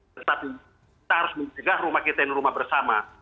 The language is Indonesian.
tetapi kita harus mencegah rumah kita ini rumah bersama